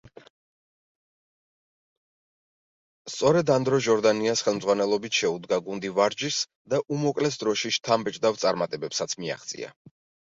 სწორედ ანდრო ჟორდანიას ხელმძღვანელობით შეუდგა გუნდი ვარჯიშს და უმოკლეს დროში შთამბეჭდავ წარმატებებსაც მიაღწია.